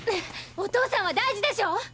お父さんは大事でしょ。